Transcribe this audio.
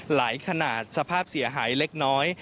หลายขนาดสภาพเสียหายเล็กน้อย